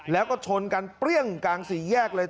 แล้วก็ชนกันเปรี้ยงกลางสี่แยกเลย